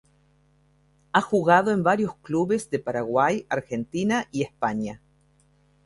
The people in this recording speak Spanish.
Ha jugado en varios clubes de Paraguay, Argentina y España.